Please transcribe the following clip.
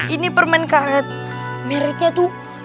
ini perminkaret merknya tuh